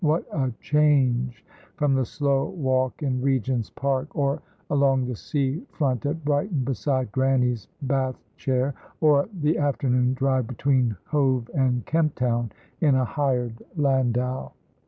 What a change from the slow walk in Regent's Park, or along the sea front at Brighton, beside Grannie's Bath chair, or the afternoon drive between Hove and Kemp Town, in a hired landau!